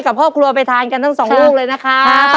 ขอบคุณค่ะ